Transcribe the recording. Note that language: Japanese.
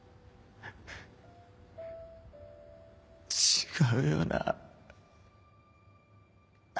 違うよな。